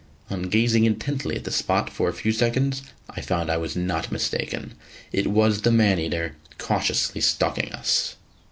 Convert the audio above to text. On gazing intently at the spot for a few seconds, I found I was not mistaken. It was the man eater, cautiously stalking us.